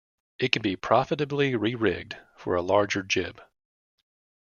It can be profitably rerigged for a larger jib.